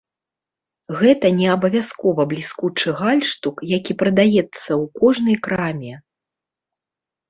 Гэта не абавязкова бліскучы гальштук, які прадаецца ў кожнай краме.